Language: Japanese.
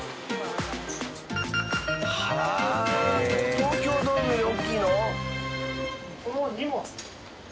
東京ドームより大きいの！？